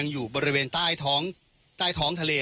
ทรงทะเล